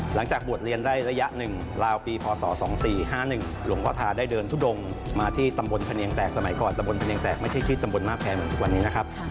หลังจากบวชเรียนได้ระยะหนึ่งราวปีพศ๒๔๕๑หลวงพ่อทาได้เดินทุดงมาที่ตำบลพะเนียงแตกสมัยก่อนตะบนพะเนียงแตกไม่ใช่ชื่อตำบลมาแพงเหมือนทุกวันนี้นะครับ